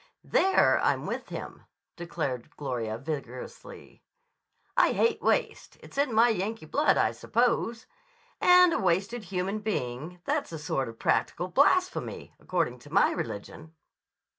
"There I'm with him," declared Gloria vigorously. "I hate waste. It's in my Yankee blood, I suppose. And a wasted human being—that's a sort of practical blasphemy, according to my religion."